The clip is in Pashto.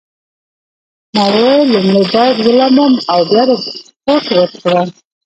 ما وویل لومړی باید ولامبم او بیا ریپورټ ورکړم.